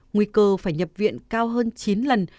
nguy cơ phải nhập viện cao hơn chín lần